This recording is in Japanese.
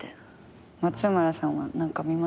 松村さんは何か見ます？